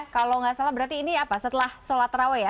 kalau nggak salah berarti ini apa setelah sholat raweh ya